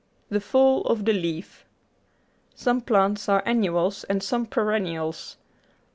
The Fall of the Leaf Some plants are annuals and some perennials.